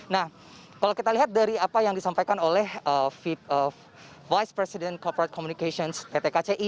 nah kalau kita lihat dari apa yang disampaikan oleh vice president corporate communications pt kci